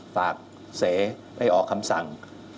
ฝากเสให้ออกคำสั่ง